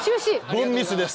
凡ミスです。